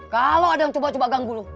kalo ada yang coba coba ganggu lo